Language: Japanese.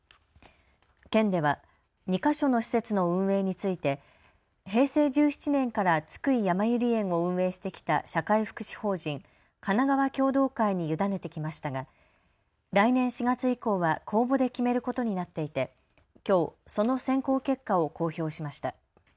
県では２か所の施設の運営について平成１７年から津久井やまゆり園を運営してきた社会福祉法人かながわ共同会に委ねてきましたが来年４月以降は公募で決めることになっていて、きょうその選考結果を公表しました。